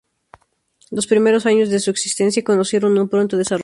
Los primeros años de su existencia conocieron un pronto desarrollo.